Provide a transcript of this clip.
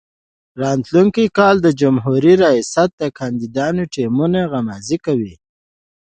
د راتلونکي کال د جمهوري ریاست کاندیدانو ټیمونه غمازي کوي.